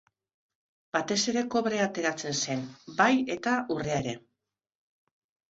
Batez ere kobrea ateratzen zen, bai eta urrea ere.